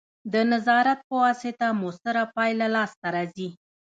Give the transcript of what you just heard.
د نظارت په واسطه مؤثره پایله لاسته راځي.